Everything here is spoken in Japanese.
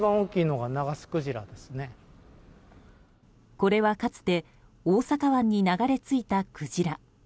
これは、かつて大阪湾に流れ着いたクジラ。